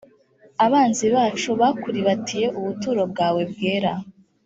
abanzi bacu bakuribatiye ubuturo bwawe bwera